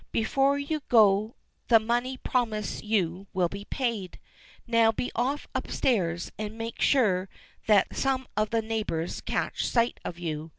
Before you go the money promised you will be paid. Now be off upstairs, and make sure that some of the neighbors catch sight of you."